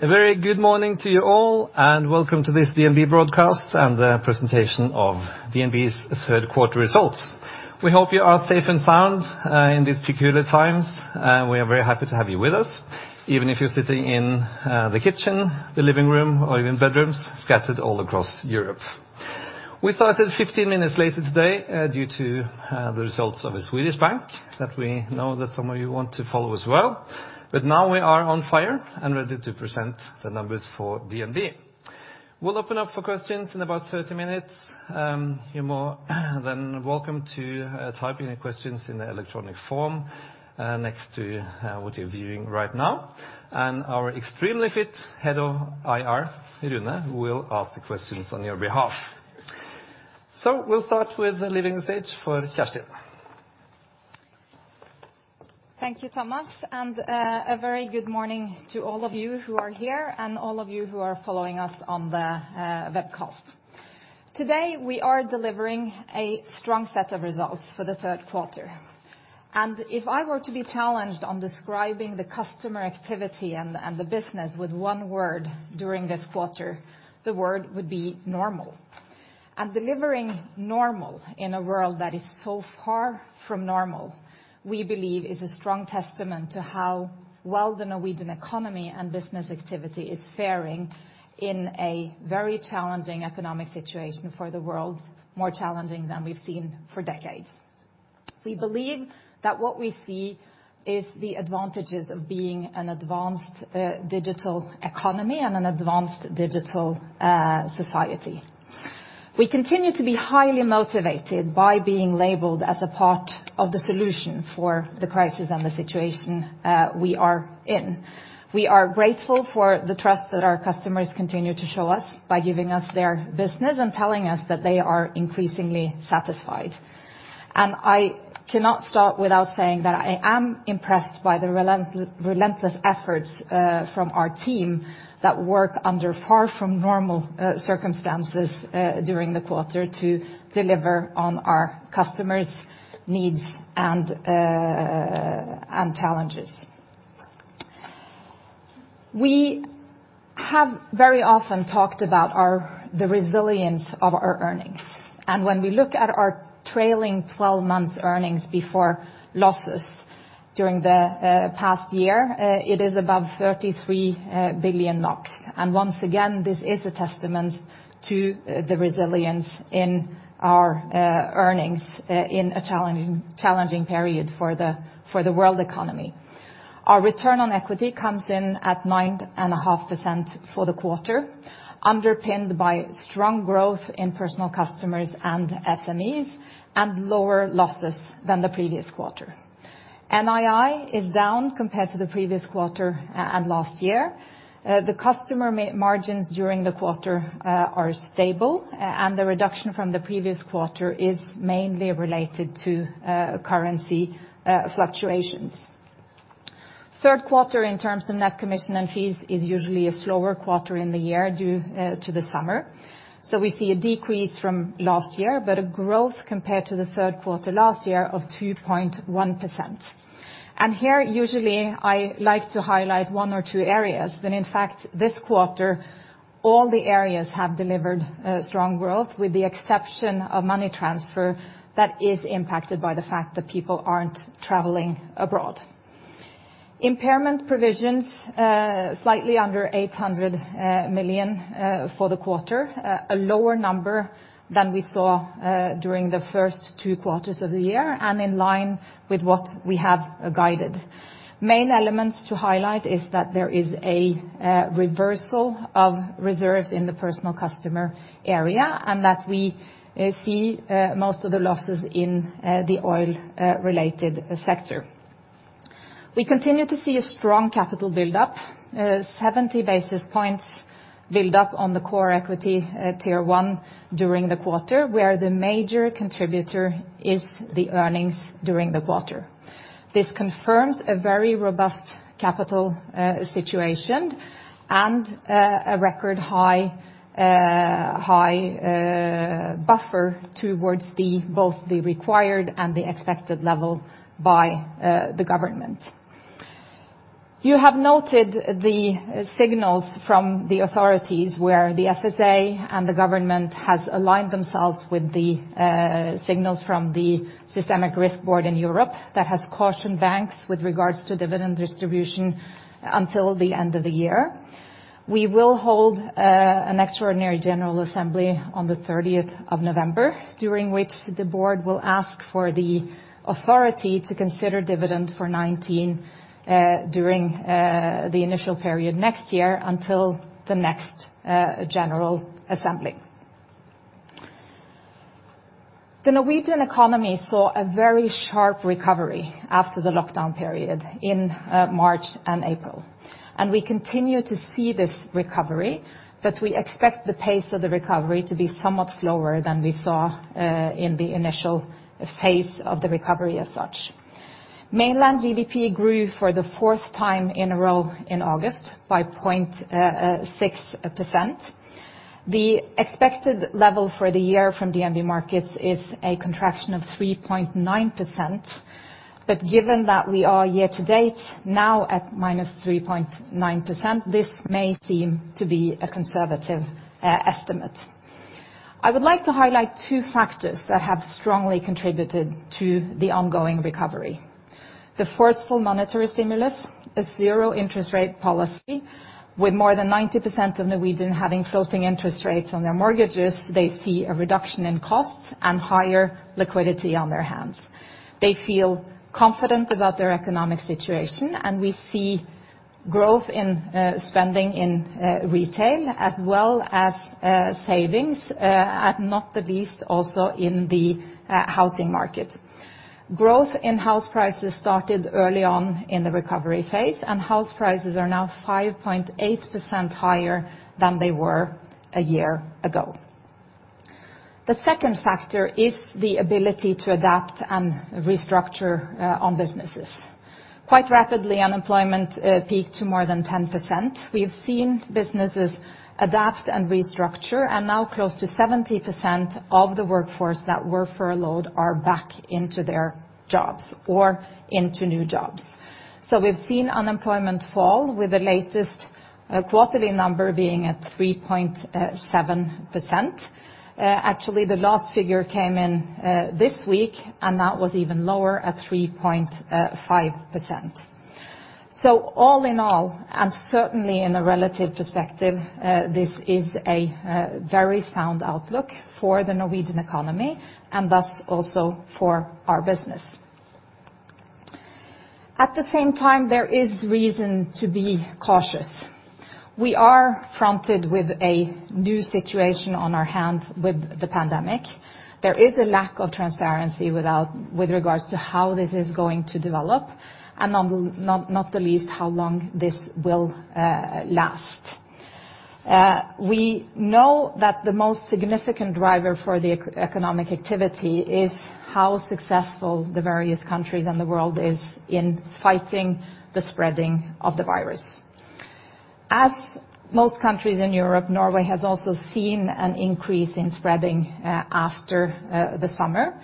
A very good morning to you all, and welcome to this DNB broadcast and the presentation of DNB's third quarter results. We hope you are safe and sound in these peculiar times. We are very happy to have you with us, even if you're sitting in the kitchen, the living room, or even bedrooms scattered all across Europe. We started 15 minutes later today due to the results of a Swedish bank that we know that some of you want to follow as well. Now we are on fire and ready to present the numbers for DNB. We'll open up for questions in about 30 minutes. You're more than welcome to type in your questions in the electronic form next to what you're viewing right now. Our extremely fit Head of IR, Rune, will ask the questions on your behalf. We'll start with leaving the stage for Kjerstin. Thank you, Thomas, and a very good morning to all of you who are here and all of you who are following us on the web call. Today, we are delivering a strong set of results for the third quarter, and if I were to be challenged on describing the customer activity and the business with one word during this quarter, the word would be normal. Delivering normal in a world that is so far from normal, we believe is a strong testament to how well the Norwegian economy and business activity is fairing in a very challenging economic situation for the world, more challenging than we've seen for decades. We believe that what we see is the advantages of being an advanced digital economy and an advanced digital society. We continue to be highly motivated by being labeled as a part of the solution for the crisis and the situation we are in. We are grateful for the trust that our customers continue to show us by giving us their business and telling us that they are increasingly satisfied. I cannot start without saying that I am impressed by the relentless efforts from our team that work under far-from-normal circumstances during the quarter to deliver on our customers' needs and challenges. We have very often talked about the resilience of our earnings. When we look at our trailing 12 months earnings before losses during the past year, it is above 33 billion NOK. Once again, this is a testament to the resilience in our earnings in a challenging period for the world economy. Our return on equity comes in at 9.5% for the quarter, underpinned by strong growth in personal customers and SMEs and lower losses than the previous quarter. NII is down compared to the previous quarter and last year. The customer margins during the quarter are stable, and the reduction from the previous quarter is mainly related to currency fluctuations. Third quarter, in terms of net commission and fees, is usually a slower quarter in the year due to the summer. We see a decrease from last year, but a growth compared to the third quarter last year of 2.1%. Here, usually, I like to highlight one or two areas, when in fact, this quarter, all the areas have delivered strong growth with the exception of money transfer that is impacted by the fact that people aren't traveling abroad. Impairment provisions, slightly under 800 million for the quarter. A lower number than we saw during the first two quarters of the year and in line with what we have guided. Main elements to highlight is that there is a reversal of reserves in the personal customer area. That we see most of the losses in the oil related sector. We continue to see a strong capital build-up. 70 basis points build up on the Common Equity Tier 1 during the quarter, where the major contributor is the earnings during the quarter. This confirms a very robust capital situation and a record high buffer towards both the required and the expected level by the government. You have noted the signals from the authorities where the FSA and the government has aligned themselves with the signals from the European Systemic Risk Board that has cautioned banks with regards to dividend distribution until the end of the year. We will hold an extraordinary general assembly on the 30th of November, during which the board will ask for the authority to consider dividend for 2019 during the initial period next year until the next general assembly. The Norwegian economy saw a very sharp recovery after the lockdown period in March and April, and we continue to see this recovery, but we expect the pace of the recovery to be somewhat slower than we saw in the initial phase of the recovery as such. Mainland GDP grew for the fourth time in a row in August by 0.6%. The expected level for the year from DNB Markets is a contraction of 3.9%, but given that we are year-to-date now at -3.9%, this may seem to be a conservative estimate. I would like to highlight two factors that have strongly contributed to the ongoing recovery. The forceful monetary stimulus is zero interest rate policy. With more than 90% of Norwegians having floating interest rates on their mortgages, they see a reduction in costs and higher liquidity on their hands. They feel confident about their economic situation, we see growth in spending in retail as well as savings, and not the least, also in the housing market. Growth in house prices started early on in the recovery phase, house prices are now 5.8% higher than they were a year ago. The second factor is the ability to adapt and restructure on businesses. Quite rapidly, unemployment peaked to more than 10%. We have seen businesses adapt and restructure, now close to 70% of the workforce that were furloughed are back into their jobs or into new jobs. We've seen unemployment fall with the latest quarterly number being at 3.7%. Actually, the last figure came in this week, and that was even lower at 3.5%. All in all, and certainly in a relative perspective, this is a very sound outlook for the Norwegian economy and thus also for our business. At the same time, there is reason to be cautious. We are fronted with a new situation on our hands with the pandemic. There is a lack of transparency with regards to how this is going to develop, and not the least, how long this will last. We know that the most significant driver for the economic activity is how successful the various countries in the world is in fighting the spreading of the virus. As most countries in Europe, Norway has also seen an increase in spreading after the summer.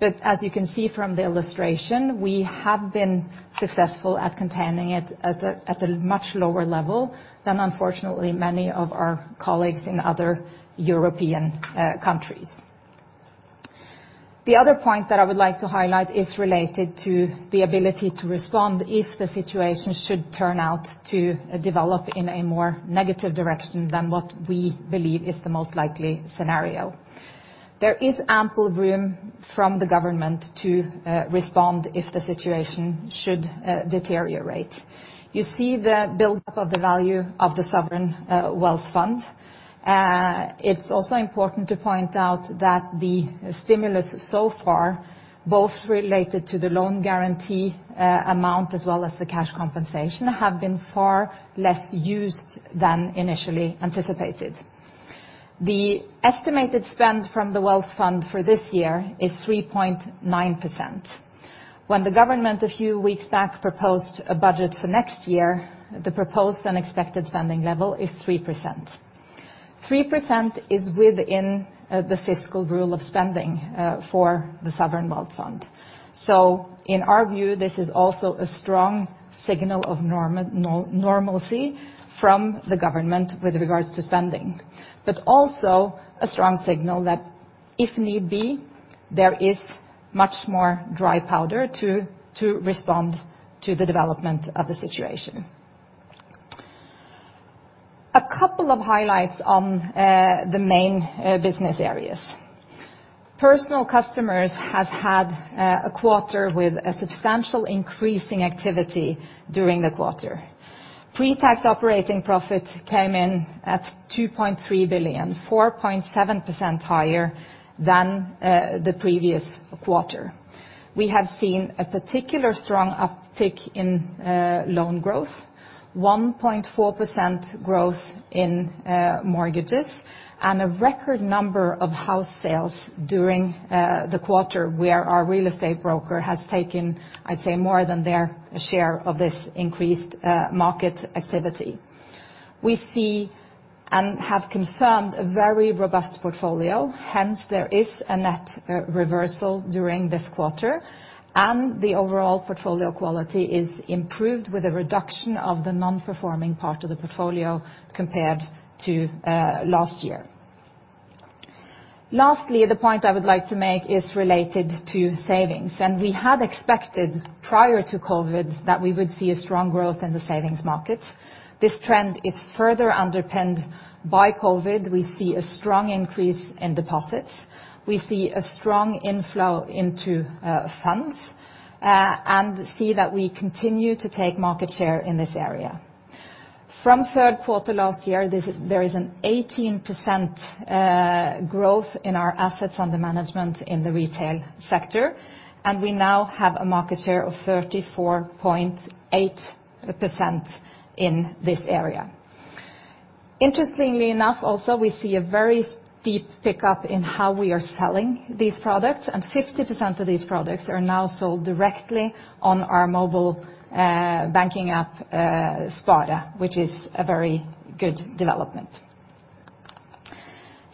As you can see from the illustration, we have been successful at containing it at a much lower level than unfortunately many of our colleagues in other European countries. The other point that I would like to highlight is related to the ability to respond if the situation should turn out to develop in a more negative direction than what we believe is the most likely scenario. There is ample room from the government to respond if the situation should deteriorate. You see the buildup of the value of the sovereign wealth fund. It is also important to point out that the stimulus so far, both related to the loan guarantee amount as well as the cash compensation, have been far less used than initially anticipated. The estimated spend from the wealth fund for this year is 3.9%. When the government a few weeks back proposed a budget for next year, the proposed expected spending level is 3%. 3% is within the fiscal rule of spending for the sovereign wealth fund. In our view, this is also a strong signal of normalcy from the government with regards to spending. Also a strong signal that if need be, there is much more dry powder to respond to the development of the situation. A couple of highlights on the main business areas. Personal Customers has had a quarter with a substantial increase in activity during the quarter. Pre-tax operating profit came in at 2.3 billion, 4.7% higher than the previous quarter. We have seen a particular strong uptick in loan growth, 1.4% growth in mortgages, and a record number of house sales during the quarter where our real estate broker has taken, I'd say, more than their share of this increased market activity. We see and have confirmed a very robust portfolio. Hence, there is a net reversal during this quarter, and the overall portfolio quality is improved with a reduction of the non-performing part of the portfolio compared to last year. Lastly, the point I would like to make is related to savings. We had expected prior to COVID that we would see a strong growth in the savings markets. This trend is further underpinned by COVID. We see a strong increase in deposits. We see a strong inflow into funds, and see that we continue to take market share in this area. From third quarter last year, there is an 18% growth in our assets under management in the retail sector, and we now have a market share of 34.8% in this area. Interestingly enough also, we see a very steep pickup in how we are selling these products, and 50% of these products are now sold directly on our mobile banking app, Spare, which is a very good development.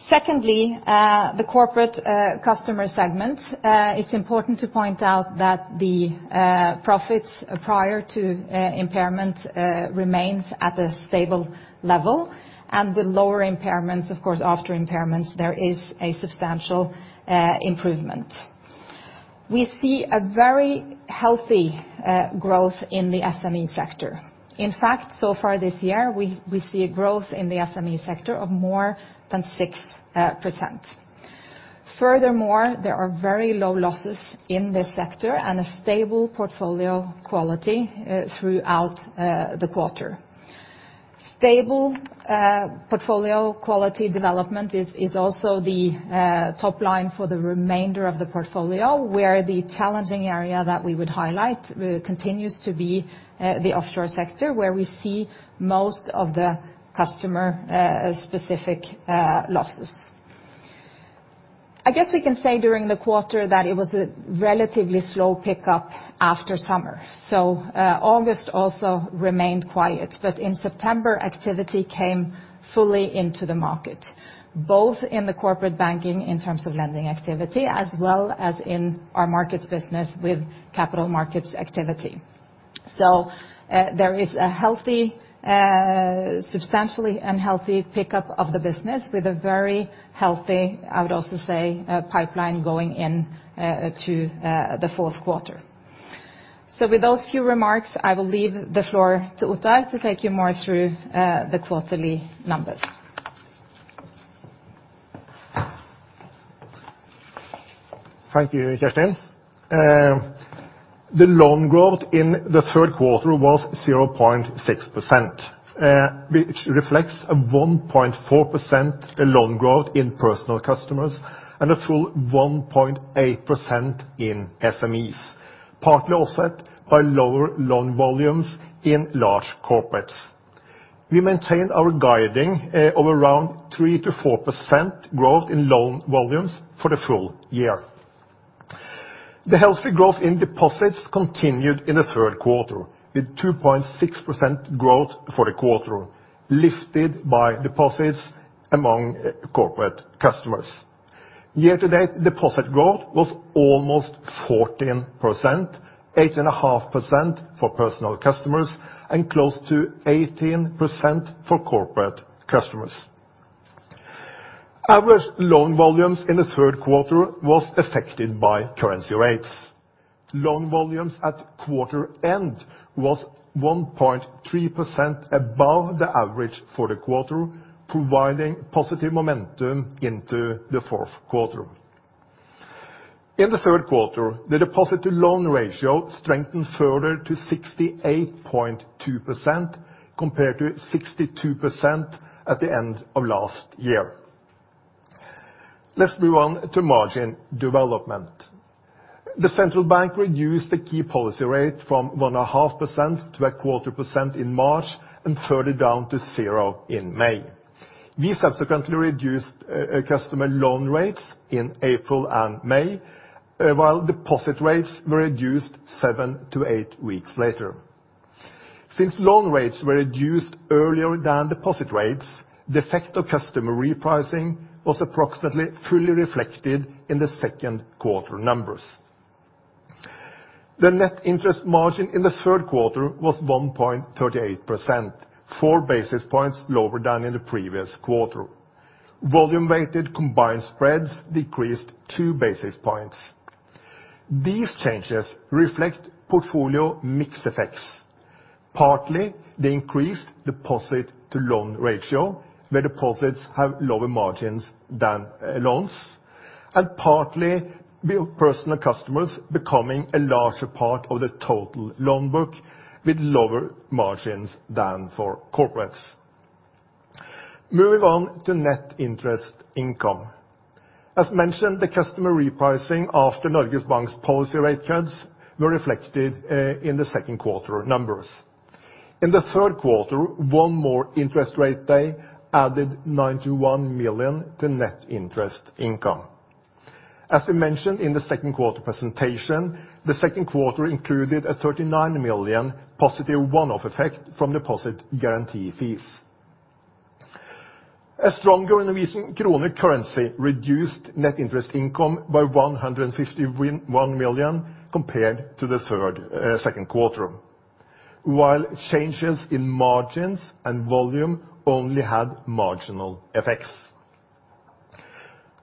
Secondly, the corporate customer segment. It is important to point out that the profits prior to impairment remains at a stable level and the lower impairments, of course, after impairments, there is a substantial improvement. We see a very healthy growth in the SME sector. In fact, so far this year, we see a growth in the SME sector of more than 6%. Furthermore, there are very low losses in this sector and a stable portfolio quality throughout the quarter. Stable portfolio quality development is also the top line for the remainder of the portfolio, where the challenging area that we would highlight continues to be the offshore sector, where we see most of the customer-specific losses. I guess we can say during the quarter that it was a relatively slow pickup after summer. August also remained quiet, but in September, activity came fully into the market, both in the corporate banking in terms of lending activity as well as in our markets business with capital markets activity. There is a substantially unhealthy pickup of the business with a very healthy, I would also say, pipeline going into the fourth quarter. With those few remarks, I will leave the floor to Ottar to take you more through the quarterly numbers. Thank you, Kjerstin. The loan growth in the third quarter was 0.6%, which reflects a 1.4% loan growth in personal customers and a full 1.8% in SMEs, partly offset by lower loan volumes in large corporates. We maintain our guiding of around 3%-4% growth in loan volumes for the full year. The healthy growth in deposits continued in the third quarter, with 2.6% growth for the quarter, lifted by deposits among corporate customers. Year-to-date deposit growth was almost 14%, 8.5% for personal customers and close to 18% for corporate customers. Average loan volumes in the third quarter was affected by currency rates. Loan volumes at quarter end was 1.3% above the average for the quarter, providing positive momentum into the fourth quarter. In the third quarter, the deposit-to-loan ratio strengthened further to 68.2%, compared to 62% at the end of last year. Let's move on to margin development. The Central Bank reduced the key policy rate from 1.5% to a quarter percent in March and further down to zero in May. We subsequently reduced customer loan rates in April and May, while deposit rates were reduced seven to eight weeks later. Since loan rates were reduced earlier than deposit rates, the effect of customer repricing was approximately fully reflected in the second quarter numbers. The net interest margin in the third quarter was 1.38%, four basis points lower than in the previous quarter. Volume-weighted combined spreads decreased two basis points. These changes reflect portfolio mix effects. Partly, the increased deposit-to-loan ratio, where deposits have lower margins than loans, and partly personal customers becoming a larger part of the total loan book with lower margins than for corporates. Moving on to net interest income. As mentioned, the customer repricing after Norges Bank's policy rate cuts were reflected in the second quarter numbers. In the third quarter, one more interest rate day added 91 million to net interest income. As we mentioned in the second quarter presentation, the second quarter included a +39 million one-off effect from deposit guarantee fees. A stronger Norwegian krone currency reduced net interest income by 151 million compared to the second quarter, while changes in margins and volume only had marginal effects.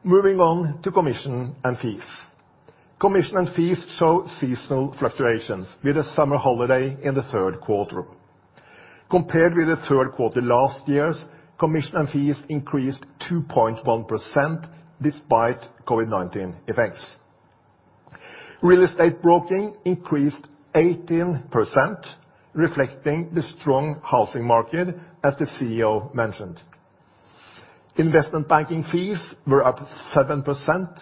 Moving on to commission and fees. Commission and fees show seasonal fluctuations with the summer holiday in the third quarter. Compared with the third quarter last year's, commission and fees increased 2.1% despite COVID-19 effects. Real estate broking increased 18%, reflecting the strong housing market as the CEO mentioned. Investment banking fees were up 7%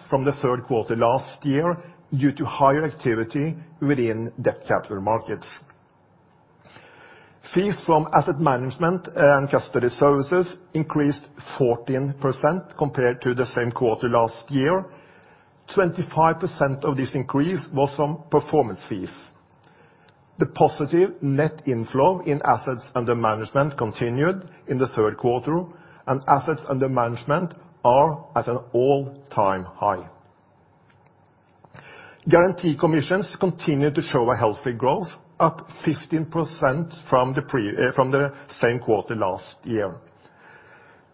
from the third quarter last year due to higher activity within debt capital markets. Fees from asset management and custody services increased 14% compared to the same quarter last year. 25% of this increase was from performance fees. The positive net inflow in assets under management continued in the third quarter, and assets under management are at an all-time high. Guarantee commissions continue to show a healthy growth, up 15% from the same quarter last year.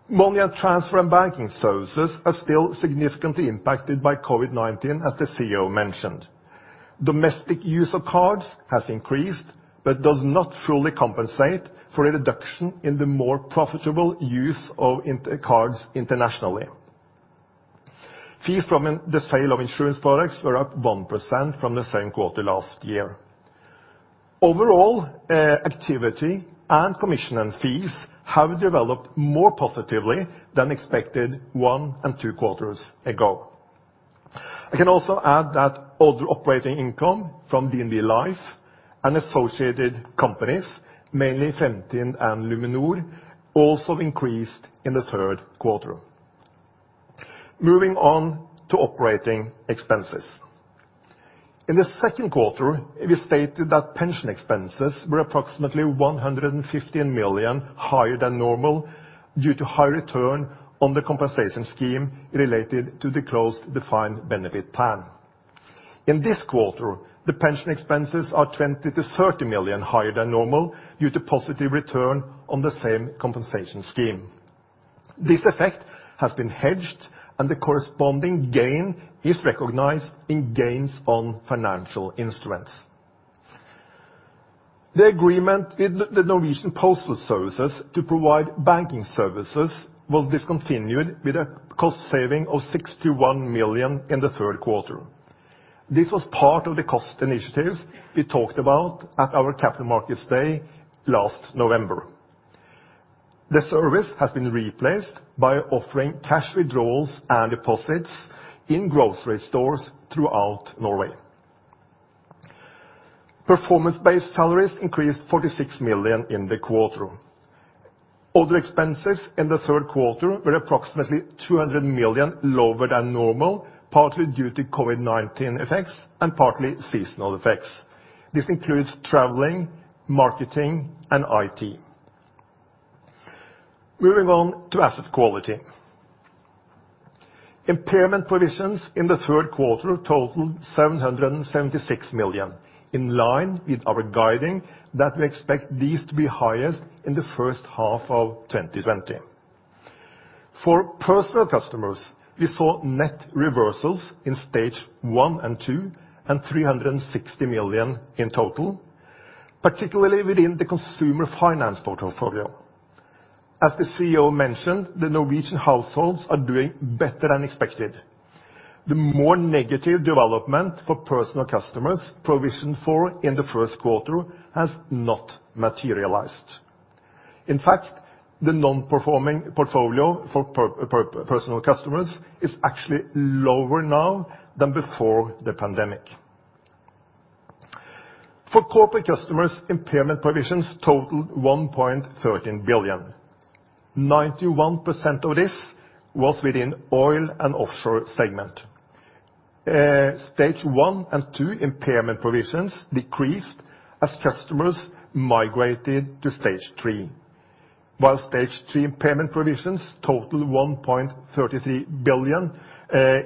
Money transfer and banking services are still significantly impacted by COVID-19, as the CEO mentioned. Domestic use of cards has increased but does not fully compensate for a reduction in the more profitable use of cards internationally. Fees from the sale of insurance products were up 1% from the same quarter last year. Overall, activity and commission and fees have developed more positively than expected one and two quarters ago. I can also add that other operating income from DNB Life and associated companies, mainly Fremtind and Luminor, also increased in the third quarter. Moving on to operating expenses. In the second quarter, we stated that pension expenses were approximately 115 million higher than normal due to high return on the compensation scheme related to the closed defined benefit plan. In this quarter, the pension expenses are 20-30 million higher than normal due to positive return on the same compensation scheme. This effect has been hedged, and the corresponding gain is recognized in gains on financial instruments. The agreement with Posten Norge AS to provide banking services will discontinue with a cost saving of 61 million in the third quarter. This was part of the cost initiatives we talked about at our Capital Markets Day last November. The service has been replaced by offering cash withdrawals and deposits in grocery stores throughout Norway. Performance-based salaries increased 46 million in the quarter. Other expenses in the third quarter were approximately 200 million lower than normal, partly due to COVID-19 effects and partly seasonal effects. This includes traveling, marketing, and IT. Moving on to asset quality. Impairment provisions in the third quarter totaled 776 million, in line with our guiding that we expect these to be highest in the first half of 2020. For personal customers, we saw net reversals in stage 1 and 2 and 360 million in total, particularly within the consumer finance portfolio. As the CEO mentioned, the Norwegian households are doing better than expected. The more negative development for personal customers provisioned for in the first quarter has not materialized. The non-performing portfolio for personal customers is actually lower now than before the pandemic. For corporate customers, impairment provisions totaled 1.13 billion. 91% of this was within oil and offshore segment. stage 1 and 2 impairment provisions decreased as customers migrated to stage three, while stage three impairment provisions totaled 1.33 billion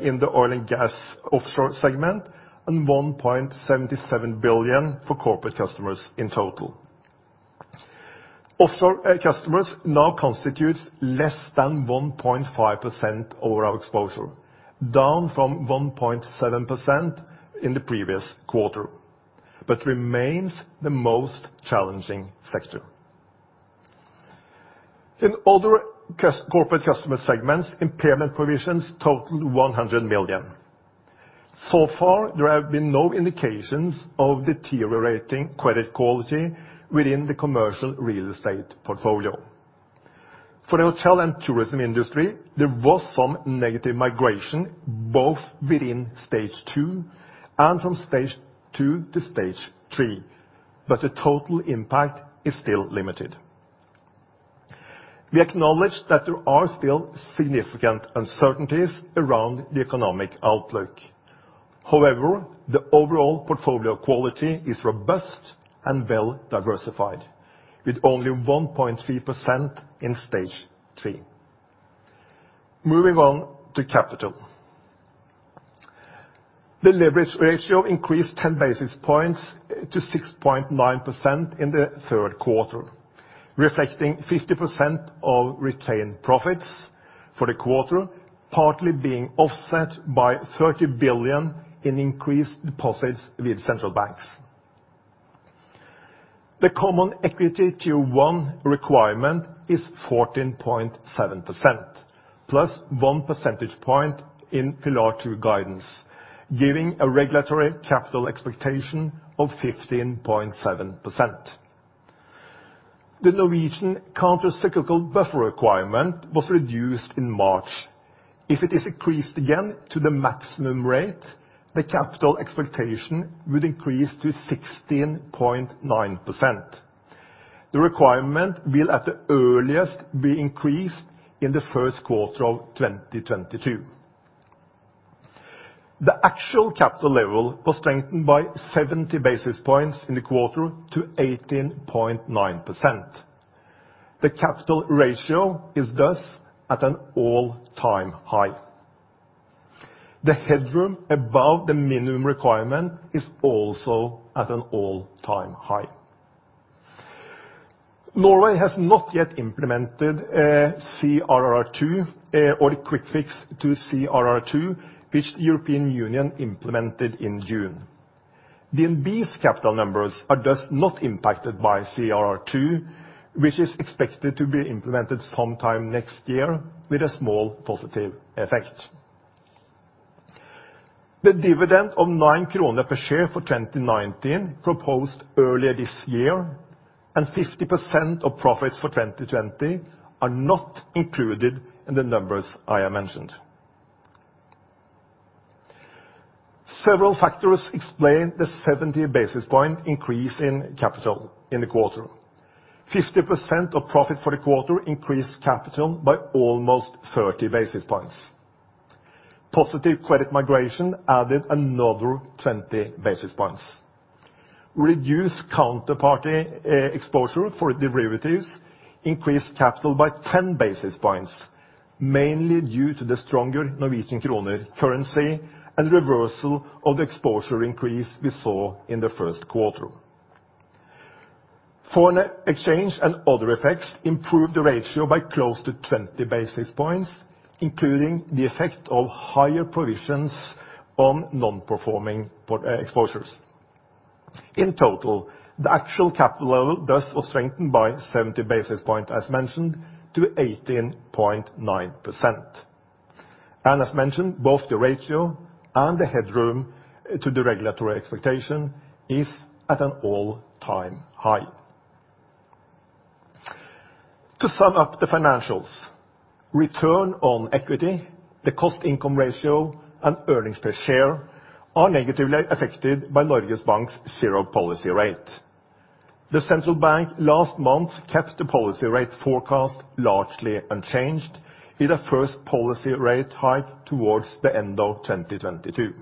in the oil and gas offshore segment and 1.77 billion for corporate customers in total. Offshore customers now constitutes less than 1.5% over our exposure, down from 1.7% in the previous quarter, but remains the most challenging sector. In other corporate customer segments, impairment provisions totaled 100 million. There have been no indications of deteriorating credit quality within the commercial real estate portfolio. For the hotel and tourism industry, there was some negative migration, both within stage two and from stage two to stage three, but the total impact is still limited. We acknowledge that there are still significant uncertainties around the economic outlook. However, the overall portfolio quality is robust and well-diversified with only 1.3% in stage three. Moving on to capital. The leverage ratio increased 10 basis points to 6.9% in the third quarter, reflecting 50% of retained profits for the quarter, partly being offset by 30 billion in increased deposits with central banks. The Common Equity Tier 1 requirement is 14.7% plus one percentage point in Pillar 2 guidance, giving a regulatory capital expectation of 15.7%. The Norwegian countercyclical capital buffer requirement was reduced in March. If it is increased again to the maximum rate, the capital expectation would increase to 16.9%. The requirement will, at the earliest, be increased in the first quarter of 2022. The actual capital level was strengthened by 70 basis points in the quarter to 18.9%. The capital ratio is thus at an all-time high. The headroom above the minimum requirement is also at an all-time high. Norway has not yet implemented CRR2 or the quick fix to CRR2, which the European Union implemented in June. DNB's capital numbers are thus not impacted by CRR2, which is expected to be implemented sometime next year with a small positive effect. The dividend of 9 kroner per share for 2019 proposed earlier this year, and 50% of profits for 2020 are not included in the numbers I have mentioned. Several factors explain the 70 basis point increase in capital in the quarter. 50% of profit for the quarter increased capital by almost 30 basis points. Positive credit migration added another 20 basis points. Reduced counterparty exposure for derivatives increased capital by 10 basis points, mainly due to the stronger Norwegian kroner currency and reversal of exposure increase we saw in the first quarter. Foreign exchange and other effects improved the ratio by close to 20 basis points, including the effect of higher provisions on non-performing exposures. In total, the actual capital level thus was strengthened by 70 basis points, as mentioned, to 18.9%. As mentioned, both the ratio and the headroom to the regulatory expectation is at an all-time high. To sum up the financials, return on equity, the cost income ratio, and earnings per share are negatively affected by Norges Bank's zero policy rate. The central bank last month kept the policy rate forecast largely unchanged with a first policy rate hike towards the end of 2022.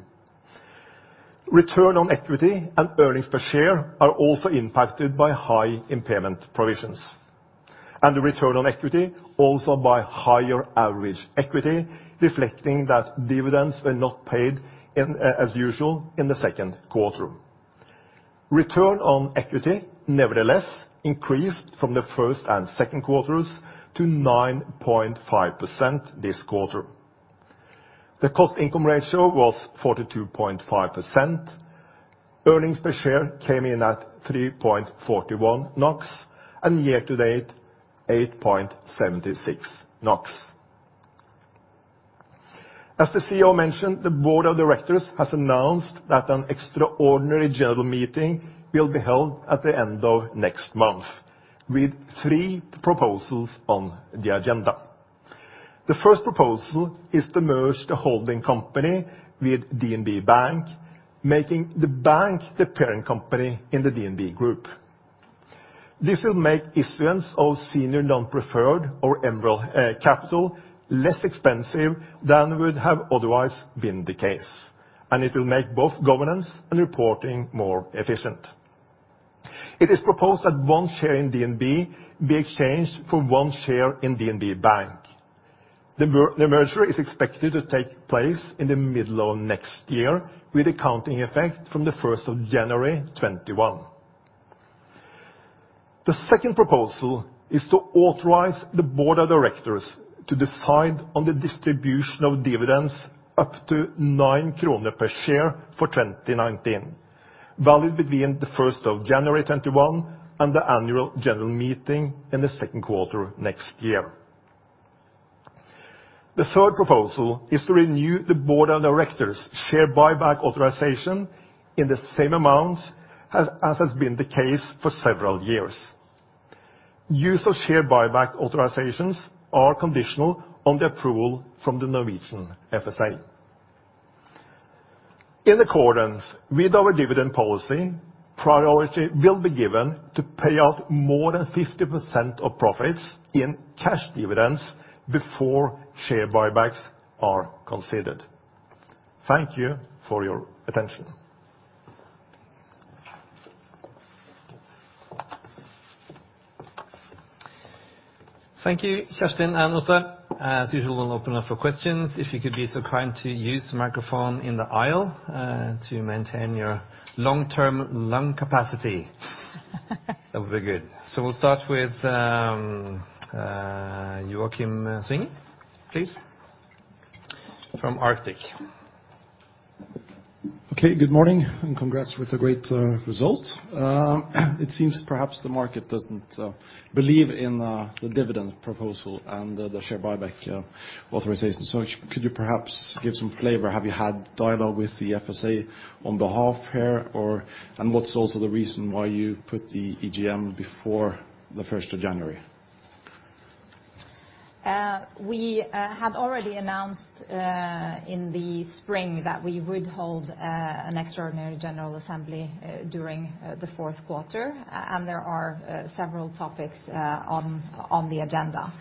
Return on equity and earnings per share are also impacted by high impairment provisions, and the return on equity also by higher average equity, reflecting that dividends were not paid as usual in the second quarter. Return on equity nevertheless increased from the first and second quarters to 9.5% this quarter. The cost income ratio was 42.5%. Earnings per share came in at 3.41 NOK and year to date, 8.76 NOK. As the CEO mentioned, the board of directors has announced that an extraordinary general meeting will be held at the end of next month with three proposals on the agenda. The first proposal is to merge the holding company with DNB Bank, making the bank the parent company in the DNB Group. This will make issuance of senior non-preferred or MREL capital less expensive than would have otherwise been the case, and it will make both governance and reporting more efficient. It is proposed that one share in DNB be exchanged for one share in DNB Bank. The merger is expected to take place in the middle of next year with accounting effect from the 1 of January 2021. The second proposal is to authorize the board of directors to decide on the distribution of dividends up to 9 kroner per share for 2019, valid between the 1 of January 2021 and the annual general meeting in the second quarter next year. The third proposal is to renew the board of directors share buyback authorization in the same amount as has been the case for several years. Use of share buyback authorizations are conditional on the approval from the Norwegian FSA. In accordance with our dividend policy, priority will be given to pay out more than 50% of profits in cash dividends before share buybacks are considered. Thank you for your attention. Thank you, Kjerstin and Ottar. As usual, we'll open up for questions. If you could be so kind to use the microphone in the aisle, to maintain your long-term lung capacity. That would be good. We'll start with Joakim Svingen, please, from Arctic. Okay, good morning, and congrats with a great result. It seems perhaps the market doesn't believe in the dividend proposal and the share buyback authorization. Could you perhaps give some flavor? Have you had dialogue with the FSA on behalf here, and what's also the reason why you put the EGM before the 1st of January? We had already announced in the spring that we would hold an extraordinary General Assembly during the fourth quarter, and there are several topics on the agenda.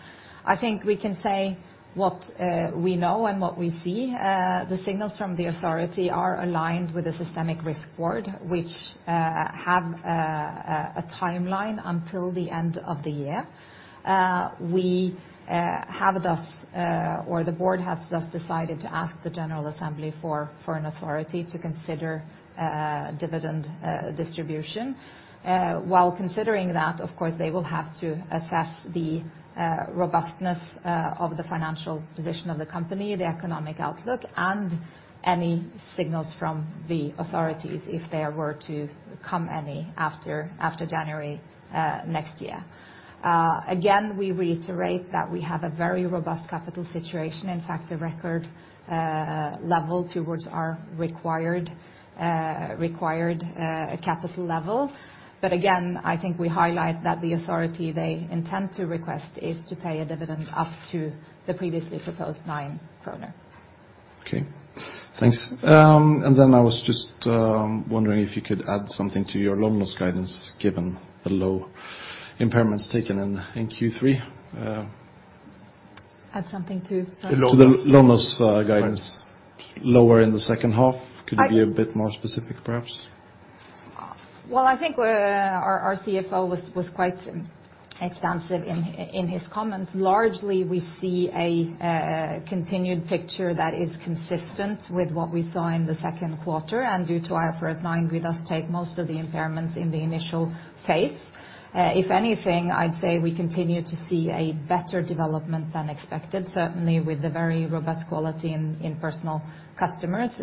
I think we can say what we know and what we see. The signals from the authority are aligned with the Systemic Risk Board, which have a timeline until the end of the year. The board has thus decided to ask the General Assembly for an authority to consider dividend distribution. While considering that, of course, they will have to assess the robustness of the financial position of the company, the economic outlook, and any signals from the authorities if there were to come any after January next year. Again, we reiterate that we have a very robust capital situation, in fact, a record level towards our required capital level. Again, I think we highlight that the authority they intend to request is to pay a dividend up to the previously proposed 9 kroner. Okay, thanks. I was just wondering if you could add something to your loan loss guidance given the low impairments taken in Q3. Add something to, sorry. To the loan loss guidance lower in the second half. Could you be a bit more specific perhaps? Well, I think our CFO was quite expansive in his comments. Largely, we see a continued picture that is consistent with what we saw in the second quarter. Due to IFRS 9, we thus take most of the impairments in the initial phase. If anything, I'd say we continue to see a better development than expected, certainly with the very robust quality in personal customers.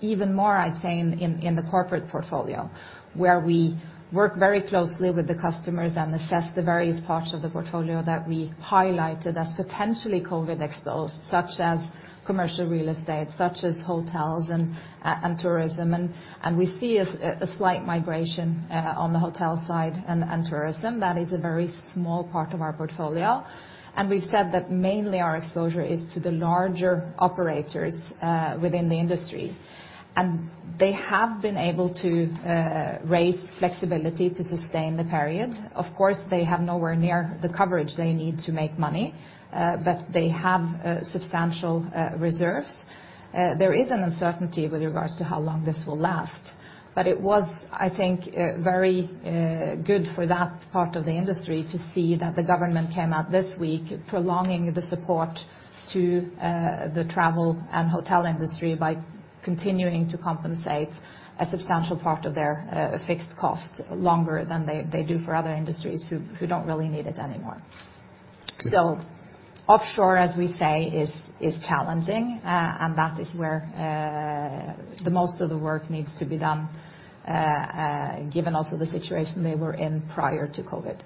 Even more, I'd say, in the corporate portfolio, where we work very closely with the customers and assess the various parts of the portfolio that we highlighted as potentially COVID exposed, such as commercial real estate, such as hotels and tourism. We see a slight migration on the hotel side and tourism. That is a very small part of our portfolio. We've said that mainly our exposure is to the larger operators within the industry. They have been able to raise flexibility to sustain the period. Of course, they have nowhere near the coverage they need to make money, but they have substantial reserves. There is an uncertainty with regards to how long this will last. It was, I think, very good for that part of the industry to see that the government came out this week prolonging the support to the travel and hotel industry by continuing to compensate a substantial part of their fixed cost longer than they do for other industries who don't really need it anymore. Good. Offshore, as we say, is challenging, and that is where the most of the work needs to be done, given also the situation they were in prior to COVID.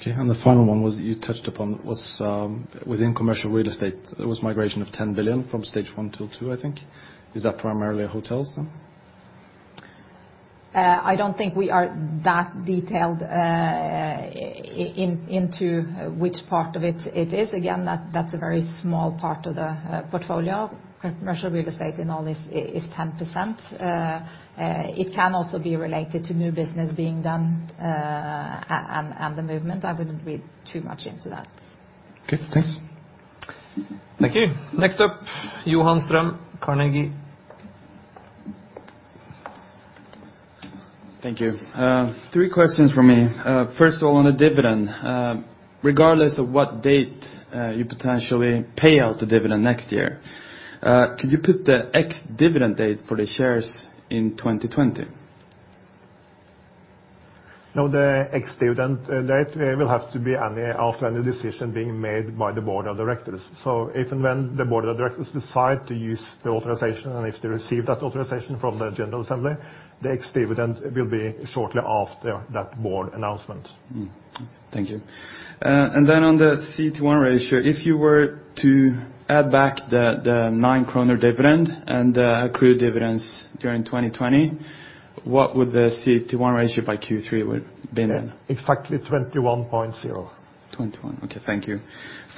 Okay, the final one was, you touched upon was within commercial real estate, there was migration of 10 billion from stage one to two, I think. Is that primarily hotels then? I don't think we are that detailed into which part of it it is. Again, that's a very small part of the portfolio. Commercial real estate in all is 10%. It can also be related to new business being done, and the movement. I wouldn't read too much into that. Okay, thanks. Thank you. Next up, Johan Ström, Carnegie. Thank you. Three questions from me. First of all, on the dividend. Regardless of what date you potentially pay out the dividend next year, could you put the ex-dividend date for the shares in 2020? No, the ex-dividend date will have to be after any decision being made by the board of directors. If and when the board of directors decide to use the authorization, and if they receive that authorization from the general assembly, the ex-dividend will be shortly after that board announcement. Thank you. On the CET1 ratio, if you were to add back the 9 kroner dividend and accrued dividends during 2020, what would the CET1 ratio by Q3 would have been then? Exactly 21.0. 21.0, okay, thank you.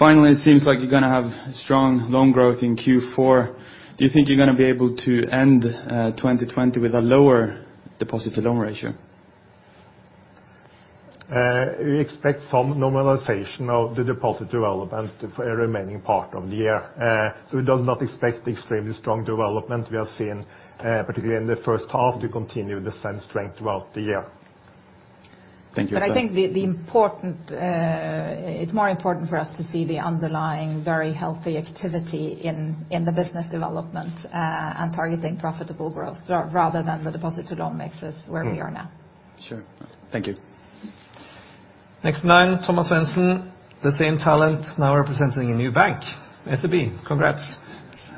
It seems like you're going to have strong loan growth in Q4. Do you think you're going to be able to end 2020 with a lower deposit-to-loan ratio? We expect some normalization of the deposit development for a remaining part of the year. We do not expect the extremely strong development we have seen, particularly in the first half to continue the same strength throughout the year. Thank you. I think it's more important for us to see the underlying very healthy activity in the business development, and targeting profitable growth rather than the deposit to loan mixes where we are now. Sure. Thank you. Next in line, Thomas Svendsen, the same talent now representing a new bank, SEB. Congrats.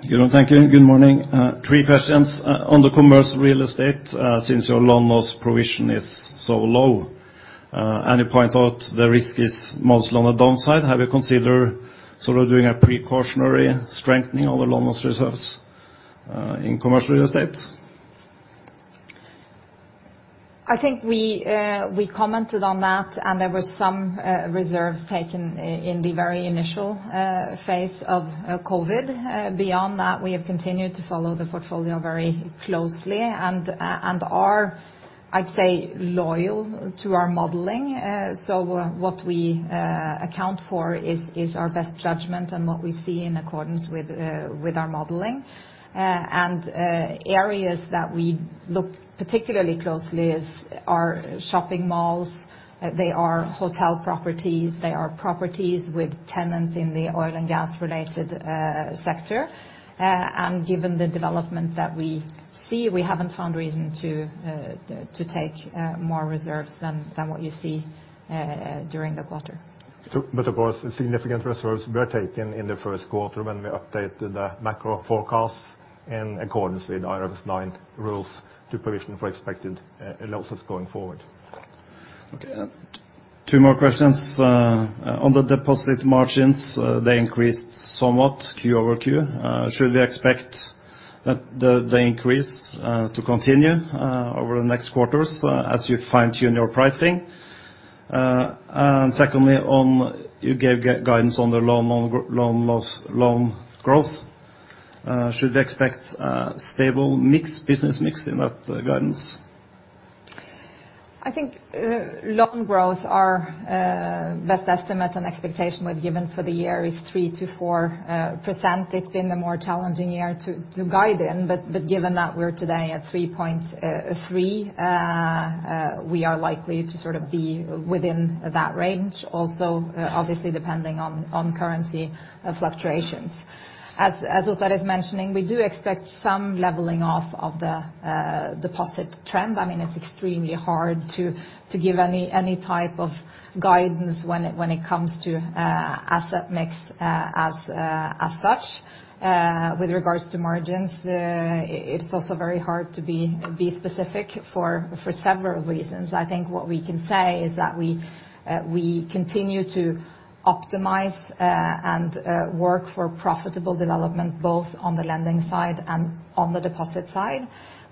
Good on thank you. Good morning. Three questions. On the commercial real estate, since your loan loss provision is so low, and you point out the risk is mostly on the downside, have you considered doing a precautionary strengthening of the loan loss reserves in commercial real estate? I think we commented on that. There were some reserves taken in the very initial phase of COVID. Beyond that, we have continued to follow the portfolio very closely and are, I’d say, loyal to our modeling. What we account for is our best judgment and what we see in accordance with our modeling. Areas that we look particularly closely is our shopping malls, they are hotel properties, they are properties with tenants in the oil and gas related sector. Given the development that we see, we haven’t found reason to take more reserves than what you see during the quarter. Of course, the significant reserves were taken in the first quarter when we updated the macro forecasts in accordance with IFRS 9 rules to provision for expected losses going forward. Okay. Two more questions. On the deposit margins, they increased somewhat Q over Q. Should we expect the increase to continue over the next quarters as you fine tune your pricing? Secondly, you gave guidance on the loan growth. Should we expect a stable business mix in that guidance? I think loan growth, our best estimate and expectation we've given for the year is 3%-4%. It's been a more challenging year to guide in, but given that we're today at 3.3, we are likely to sort of be within that range, also, obviously, depending on currency fluctuations. As Ottar is mentioning, we do expect some leveling off of the deposit trend. It's extremely hard to give any type of guidance when it comes to asset mix as such. With regards to margins, it's also very hard to be specific for several reasons. I think what we can say is that we continue to optimize and work for profitable development, both on the lending side and on the deposit side.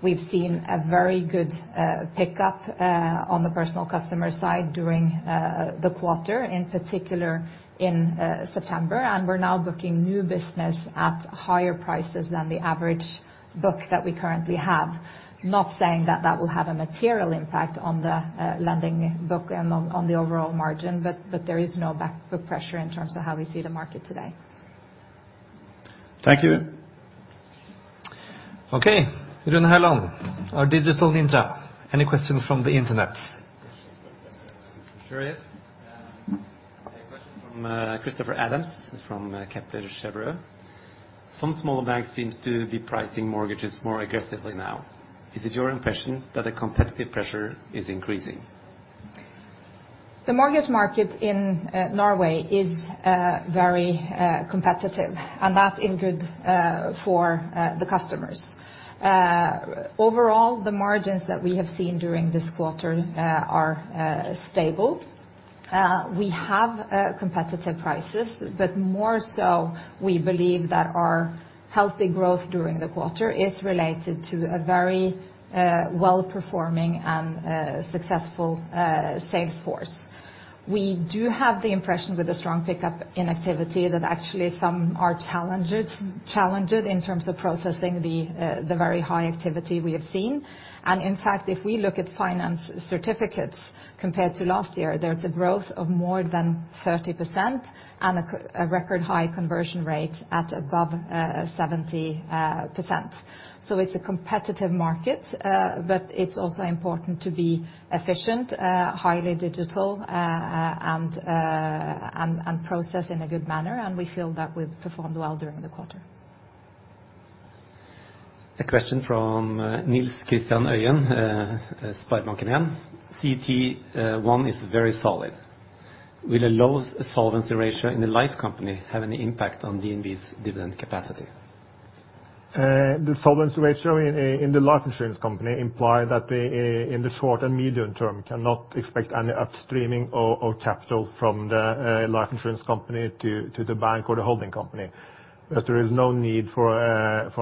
We've seen a very good pickup on the personal customer side during the quarter, in particular in September, and we're now booking new business at higher prices than the average book that we currently have. Not saying that that will have a material impact on the lending book and on the overall margin, but there is no back book pressure in terms of how we see the market today. Thank you. Okay. Rune Helland, our digital ninja. Any questions from the internet? Sure is. A question from Christoffer Adams from Kepler Cheuvreux. Some small banks seems to be pricing mortgages more aggressively now. Is it your impression that the competitive pressure is increasing? The mortgage market in Norway is very competitive, and that is good for the customers. Overall, the margins that we have seen during this quarter are stable. We have competitive prices, but more so we believe that our healthy growth during the quarter is related to a very well-performing and successful sales force. We do have the impression with a strong pickup in activity that actually some are challenged in terms of processing the very high activity we have seen. In fact, if we look at finance certificates compared to last year, there's a growth of more than 30% and a record high conversion rate at above 70%. It's a competitive market, but it's also important to be efficient, highly digital, and process in a good manner, and we feel that we've performed well during the quarter. A question from Nils Christian Øyen, SpareBank 1. CET1 is very solid. Will a low solvency ratio in the life company have any impact on DNB's dividend capacity? The solvency ratio in the life insurance company imply that in the short and medium term cannot expect any upstreaming of capital from the life insurance company to the bank or the holding company. There is no need for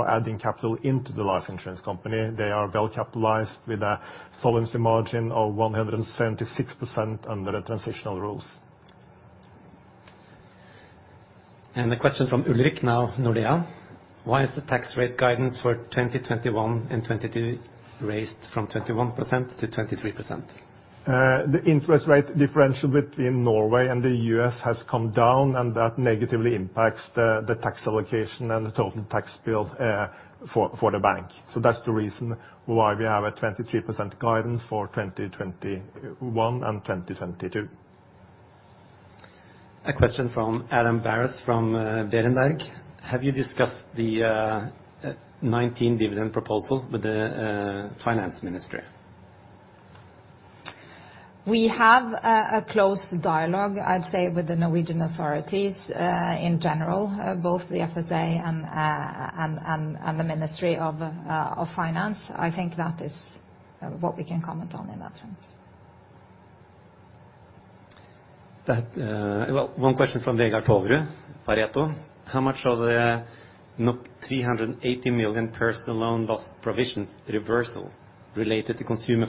adding capital into the life insurance company. They are well capitalized with a solvency margin of 176% under the transitional rules. A question from Ulrik now, Nordea. Why is the tax rate guidance for 2021 and 2022 raised from 21%-23%? The interest rate differential between Norway and the U.S. has come down, and that negatively impacts the tax allocation and the total tax bill for the bank. That's the reason why we have a 23% guidance for 2021 and 2022. A question from Adam Barrass from Berenberg. Have you discussed the 2019 dividend proposal with the finance minister? We have a close dialogue, I'd say, with the Norwegian authorities, in general, both the FSA and the Ministry of Finance. I think that is what we can comment on in that sense. Well, one question from Vegard Toverud, Pareto. How much of the 380 million personal loan loss provision reversal is related to consumer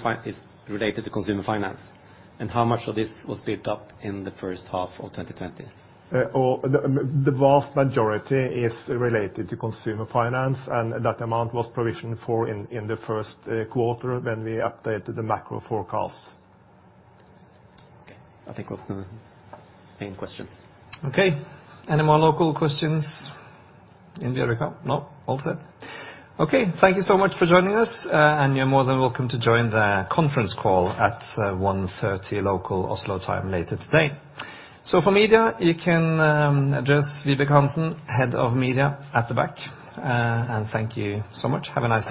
finance? How much of this was built up in the first half of 2020? The vast majority is related to consumer finance, and that amount was provisioned for in the first quarter when we updated the macro forecast. Okay. I think those were the main questions. Okay. Any more local questions in the room? No? All set. Okay. Thank you so much for joining us, and you're more than welcome to join the conference call at 1:30 P.M. local Oslo time later today. For media, you can address Vibeke Hansen, Head of Media at the back. Thank you so much. Have a nice day.